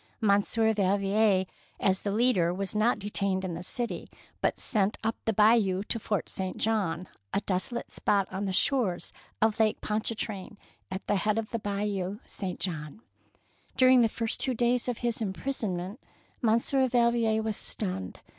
Monsieur Valvier, as the leader, was not detained in the city, but sent up the Bayou to Fort St. John, a desolate spot on the shores of Lake Pontchar train, at the head of Bayou St. John. During the first two days of his imprisonment Monsieur Valvier was stunned.